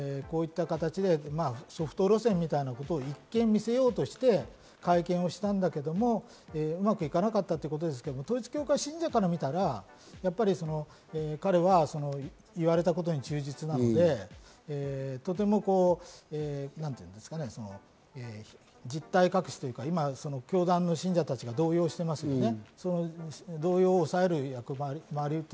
そうすると勅使河原さんが指名されて、いわばこういった形でソフト路線みたいなことを一見、見せようとして会見をしたんだけども、うまくいかなかったということですけど、統一教会信者から見たら、やっぱり彼は言われたことに忠実なので、とても実態隠しというか、教団の信者たちが今、動揺してますね。